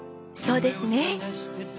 そうですね。